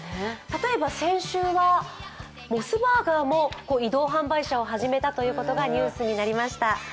例えば先週はモスバーガーも移動販売車を始めたということがニュースになりました。